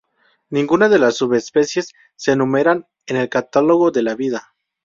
Ninguna de las subespecies se enumeran en el "Catálogo de la vida".